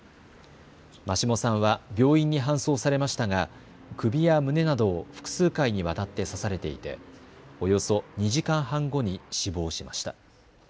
眞下さんは病院に搬送されましたが、首や胸などを複数回にわたって刺されていておよそ２時間半後に死亡しました。